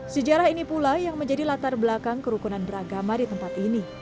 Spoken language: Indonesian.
sejarah ini pula yang menjadi latar belakang kerukunan beragama di tempat ini